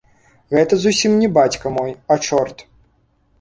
Гэта зусім не бацька мой, а чорт.